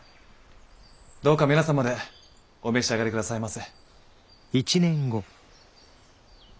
どうか皆様でお召し上がり下さいませ。